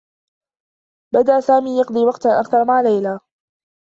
بدأ سامي يقضي وقتا أكثر مع ليلى.